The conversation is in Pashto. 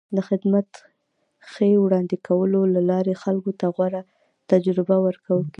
د خدمت ښې وړاندې کولو له لارې خلکو ته غوره تجربه ورکول کېږي.